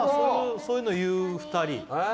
そういうの言う２人。